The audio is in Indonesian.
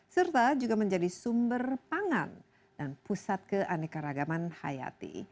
serta juga menjadi sumber pangan dan pusat keanekaragaman hayati